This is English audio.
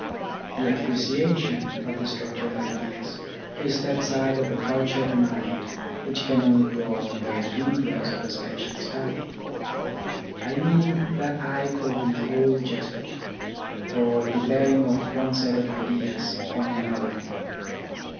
The appreciation of the structure of ideas is that side of a cultured mind which can only 24 THE ORGANISATION OF THOUGHT grow under the influence of a special study. I mean that eye for the whole chess board, for the bearing of one set of ideas on another.